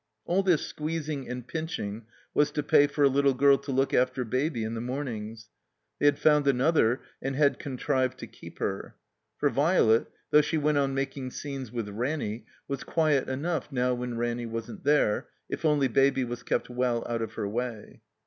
All this squeezing and pinching was to pay for a Kttle girl to look after Baby in the mornings. They had found another, and had contrived to keep her. For Violet, though she went on making scenes with Ranny, was quiet enough now when Ranny wasn't there, if only Baby was kept well out of her way.